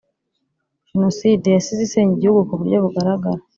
jenoside yasize isenye igihugu kuburyo bugaragara